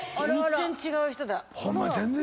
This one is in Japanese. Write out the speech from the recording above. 全然違う人や。